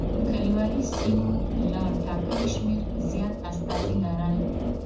کلیوالي سیمو له ټاکلي شمېر زیات استازي لرل.